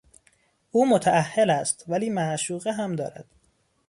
او متاهل است ولی معشوقه هم دارد.